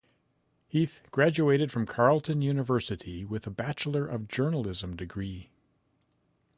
Heath graduated from Carleton University with a Bachelor of Journalism degree.